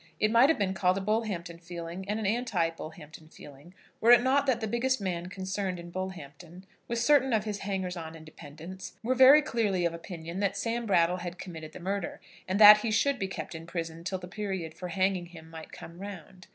It might have been called a Bullhampton feeling and an anti Bullhampton feeling, were it not that the biggest man concerned in Bullhampton, with certain of his hangers on and dependents, were very clearly of opinion that Sam Brattle had committed the murder, and that he should be kept in prison till the period for hanging him might come round.